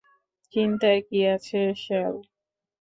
চিন্তার কি আছে, স্যাল?